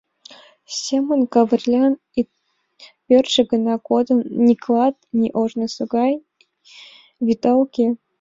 Семон Кавырлян ик пӧртшӧ гына кодын, ни клат, ни ожнысо гай вӱта уке.